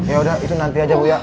yaudah itu nanti aja bu ya